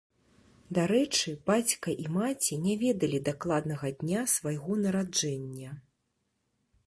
Дарэчы, бацька і маці не ведалі дакладнага дня свайго нараджэння.